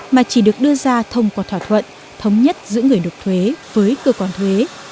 mà chỉ được đưa ra thông qua thỏa thuận thống nhất giữa người nộp thuế với cơ quan thuế